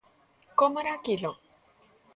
¿Como era aquilo?